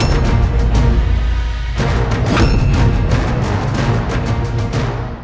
kian santang sudah mencari ibundanya